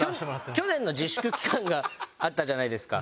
去年の自粛期間があったじゃないですか。